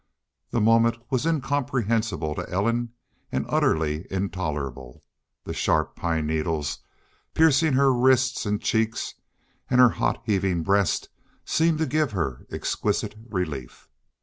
The moment was incomprehensible to Ellen, and utterly intolerable. The sharp pine needles, piercing her wrists and cheeks, and her hot heaving breast, seemed to give her exquisite relief.